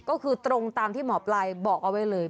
ก็คือตรงตามที่หมอปลายบอกเอาไว้เลย